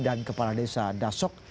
dan kepala desa dasok